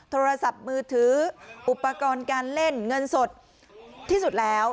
โทรศัพท์มือถืออุปกรณ์การเล่นเงินสดที่สุดแล้ว